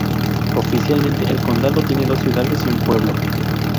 Oficialmente el condado tiene dos ciudades y un pueblo.